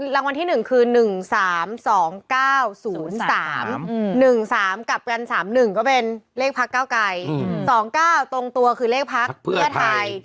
รางวัลที่๑คือ๑๓๒๙๐๓๑๓กลับกัน๓๑ก็เป็นเลขพักเก้าไกร๒๙ตรงตัวคือเลขพักเพื่อไทย